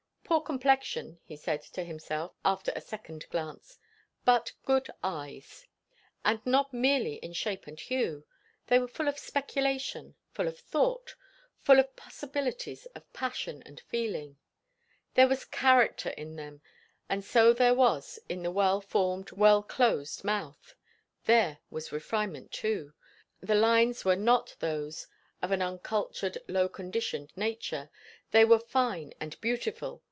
Poor complexion, he said to himself after a second glance, but good eyes. And not merely in shape and hue; they were full of speculation, full of thought, full of the possibilities of passion and feeling. There was character in them; and so there was in the well formed, well closed mouth. There was refinement too; the lines were not those of an uncultured, low conditioned nature; they were fine and beautiful.